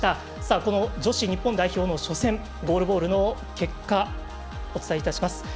この女子日本代表の初戦ゴールボールの結果お伝えいたします。